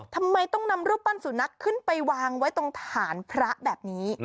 ทำไมต้องนำรูปปั้นสุนัขขึ้นไปวางไว้ตรงฐานพระแบบนี้